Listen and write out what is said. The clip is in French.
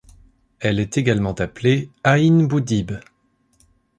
Elle est également appelée Aïn Bou Dib.